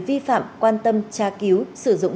vi phạm quan tâm tra cứu sử dụng